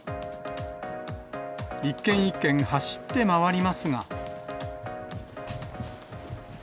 一軒一軒走って回りますが。